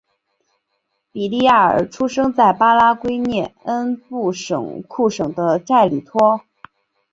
比利亚尔出生在巴拉圭涅恩布库省的塞里托。